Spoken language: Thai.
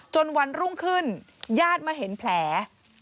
วันรุ่งขึ้นญาติมาเห็นแผล